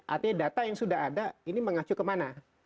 artinya data yang sudah ada ini mengacu kemana